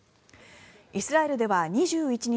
イスラエルでは２１日